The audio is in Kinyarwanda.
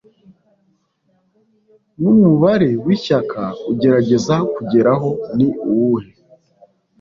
Numubare w'ishyaka ugerageza kugeraho ni uwuhe?